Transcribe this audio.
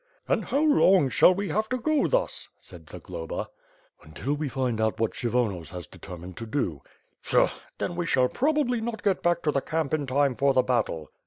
"And how long shall we have to go thus?" said Zagloba. 'TJntil we find out what Kshyvonos has determined to do." "Pshaw! Then we shall probably not get back to the camp in time for the battle."